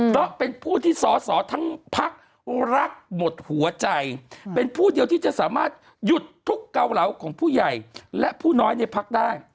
เพราะเป็นผู้ที่สอสอทั้งพักรักหมดหัวใจเป็นผู้เดียวที่จะสามารถหยุดทุกเกาเหลาของผู้ใหญ่และผู้น้อยในพักได้